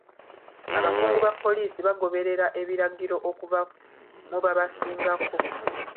Abakungu ba poliisi bagoberera ebiragiro okuva mu babasingako.